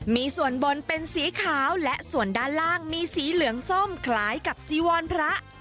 มีส่วนบนเป็นสีขาวและส่วนด้านล่างมีสีเหลืองส้มคล้ายกับจีวรพระ